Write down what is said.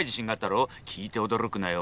聞いて驚くなよ。